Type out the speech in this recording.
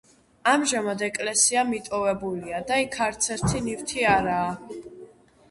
ამჟამად ეკლესია მიტოვებულია და იქ არცერთი ნივთი არაა.